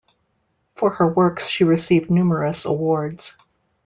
For her works she received numerous awards.